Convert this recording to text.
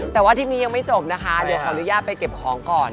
แต่ว่าทริปนี้ยังไม่จบนะคะเดี๋ยวขออนุญาตไปเก็บของก่อน